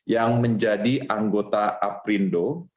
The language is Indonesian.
yang menjadi anggota aprindo